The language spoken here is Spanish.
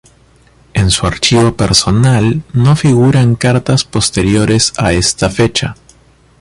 En su archivo personal no figuran cartas posteriores a esta fecha.